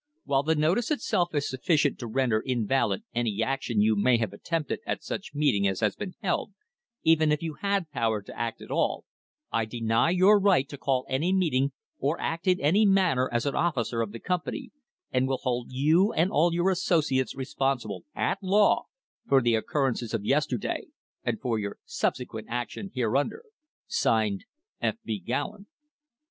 While the notice itself is sufficient to render invalid any action you may have attempted at such meeting as has been held, even if you had power to act at all, I deny your right to call any meeting or act in any manner as an officer of the company, and will hold you and all your associates responsible at law for the occur rences of yesterday, and for your subsequent action thereunder. (Signed) F. B. GOWEN.